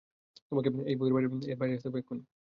তোমাকে বাইরে আসতে হবে, এক্ষুণি।